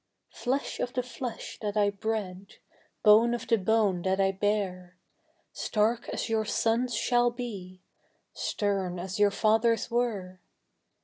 Flesh of the flesh that I bred, bone of the bone that I bare; Stark as your sons shall be stern as your fathers were.